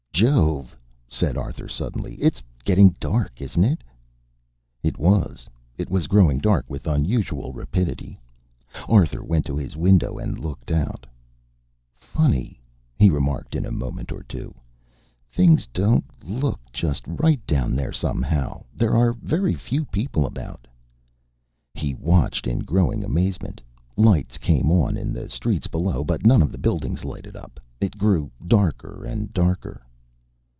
"Jove!" said Arthur, suddenly. "It's getting dark, isn't it?" It was. It was growing dark with unusual rapidity. Arthur went to his window, and looked out. "Funny," he remarked in a moment or two. "Things don't look just right, down there, somehow. There are very few people about." He watched in growing amazement. Lights came on in the streets below, but none of the buildings lighted up. It grew darker and darker.